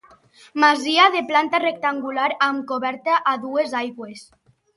Masia de planta rectangular, amb coberta a dues aigües.